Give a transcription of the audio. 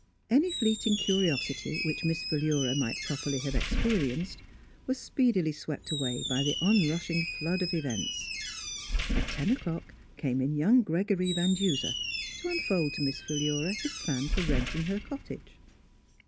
Any fleeting curiosity which Miss Phi lura might properly have experienced was speedily swept away by the onrushing flood of events. At ten o'clock came in young Gregory Van Duser to unfold to Miss Philura his plan for renting her cot tage.